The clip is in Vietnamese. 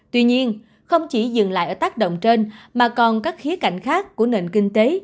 tuy nhiên không chỉ dừng lại ở tác động trên mà còn các khía cạnh khác của nền kinh tế